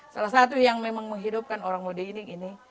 salah satu yang memang menghidupkan orang modo inding ini